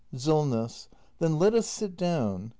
Solness. Then let us sit down.